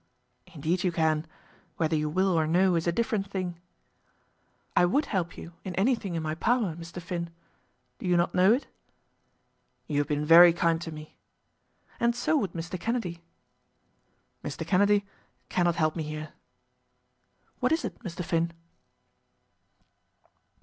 "Indeed you can. Whether you will or no is a different thing." "I would help you in anything in my power, Mr. Finn. Do you not know it?" "You have been very kind to me!" "And so would Mr. Kennedy." "Mr. Kennedy cannot help me here." "What is it, Mr. Finn?"